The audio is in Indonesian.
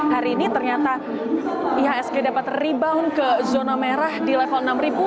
hari ini ternyata ihsg dapat rebound ke zona merah di level enam empat ratus delapan puluh tujuh